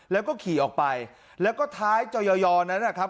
แล้วก็ขี่ออกไปแล้วก็ท้ายจอยอยอนั้นนะครับ